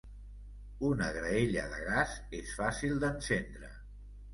Una graella de gas és fàcil d'encendre.